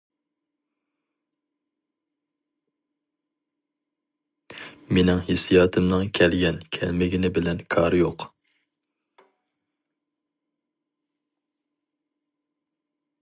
مىنىڭ ھېسسىياتىمنىڭ كەلگەن كەلمىگىنى بىلەن كارى يوق.